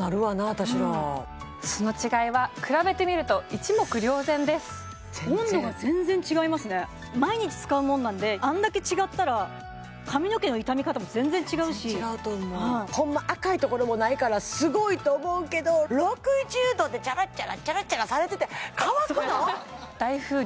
私らその違いは比べてみると一目瞭然です温度が全然違いますね毎日使うものなのであんだけ違ったら髪の毛の傷み方も全然違うし違うと思うホンマ赤いところもないからすごいと思うけど６０度でチャラチャラチャラチャラされてて乾くの？